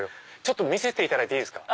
見せていただいていいですか？